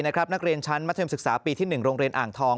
นักเรียนชั้นมัธยมศึกษาปีที่๑โรงเรียนอ่างทอง